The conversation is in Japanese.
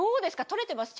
取れてます？